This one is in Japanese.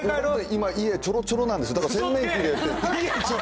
今、家、ちょろちょろなんです。